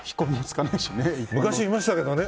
昔はいましたけどね。